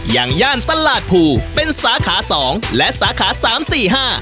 อย่างย่านตลาดภูเป็นสาขาสองและสาขาสามสี่ห้า